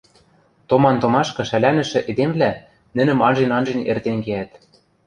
Томан-томашкы шӓлӓнӹшӹ эдемвлӓ нӹнӹм анжен-анжен эртен кеӓт.